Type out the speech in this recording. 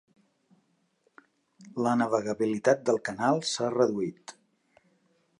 La navegabilitat del canal s'ha reduït.